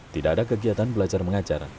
tidak ada kegiatan belajar mengajar